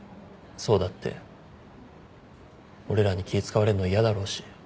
想だって俺らに気使われるの嫌だろうし。